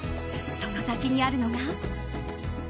その先にあるのが。